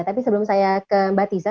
tapi sebelum saya ke mbak tisa